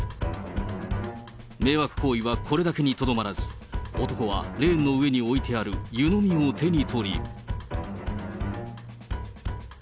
迷惑行為はこれだけにとどまらず、男はレーンの上に置いてある湯飲みを手に取り。